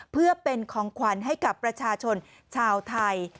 เพื่อเป็นของขวัญให้กับประชาชนชาวไทย